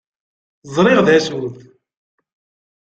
Zṛiɣ d acu-t.